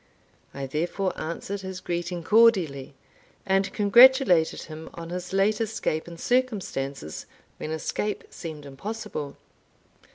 I therefore answered his greeting cordially, and congratulated him on his late escape in circumstances when escape seemed impossible.